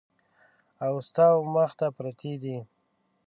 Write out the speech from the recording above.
او ستا ومخ ته پرتې دي !